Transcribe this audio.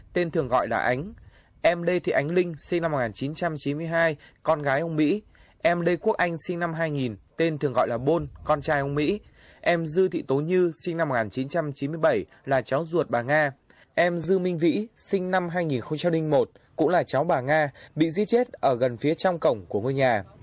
trơn thành một cũng là cháu bà nga bị giết chết ở gần phía trong cổng của ngôi nhà